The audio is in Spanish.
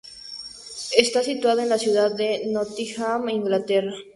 Está situado en la ciudad de Nottingham, Inglaterra.